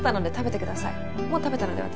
もう食べたので私。